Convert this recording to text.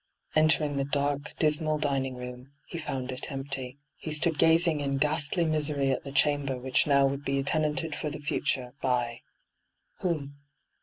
Entering the dark, dismal dining room, he found it empty. He stood gazing in ghastly misery at the chamber which now would be tenanted for the future by — whom?